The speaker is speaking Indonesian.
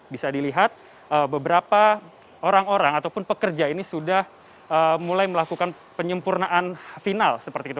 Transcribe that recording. bisa dilihat beberapa orang orang ataupun pekerja ini sudah mulai melakukan penyempurnaan final seperti itu